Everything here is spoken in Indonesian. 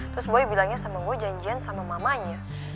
terus boy bilangnya sama gue janjian sama mamanya